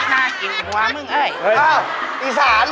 กว่ามึงหมากเลย